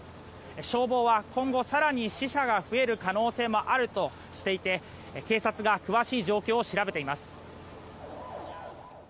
消防は今後、更に死者が増える可能性もあるとしていて警察が詳しい状況を調べています。